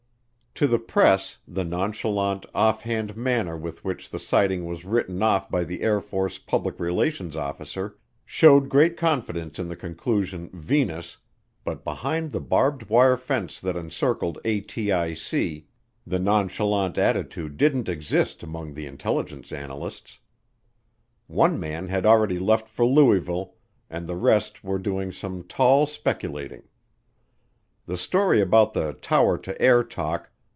To the press, the nonchalant, offhand manner with which the sighting was written off by the Air Force public relations officer showed great confidence in the conclusion, Venus, but behind the barbed wire fence that encircled ATIC the nonchalant attitude didn't exist among the intelligence analysts. One man had already left for Louisville and the rest were doing some tall speculating. The story about the tower to air talk.